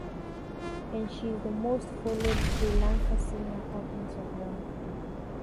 And she is the most followed Sri Lanka singer on Instagram.